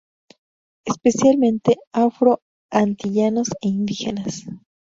Especialmente afro antillanos e indígenas.